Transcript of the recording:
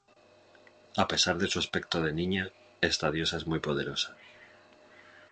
A pesar de su aspecto de niña, esta diosa es muy poderosa.